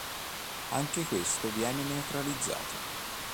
Anche questo viene neutralizzato.